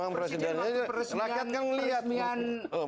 presiden waktu peresmian